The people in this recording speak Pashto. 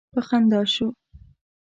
په خندا شو.